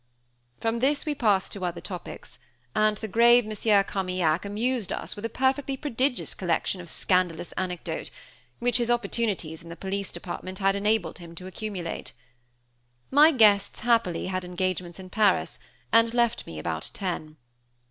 From this we passed to other topics, and the grave Monsieur Carmaignac amused us with a perfectly prodigious collection of scandalous anecdote, which his opportunities in the police department had enabled him to accumulate. My guests happily had engagements in Paris, and left me about ten.